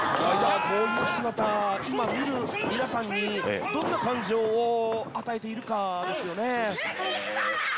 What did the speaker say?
こういう姿今見る皆さんにどんな感情を与えているかですよね。